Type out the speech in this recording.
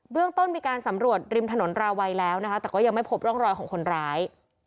เรื่องต้นมีการสำรวจริมถนนราวัยแล้วนะคะแต่ก็ยังไม่พบร่องรอยของคนร้าย